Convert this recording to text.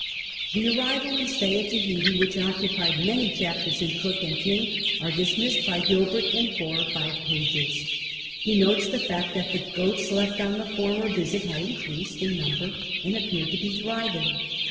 Tlio arrival and stay at Tahiti, urhicli occupy many chapters in Cook and King, are dismissed by Gilbert in four or five pages. He notes the fact that the goats left on the former visit had increased in number and appeared to be thriving.